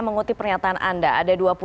mengikuti pernyataan anda ada dua puluh satu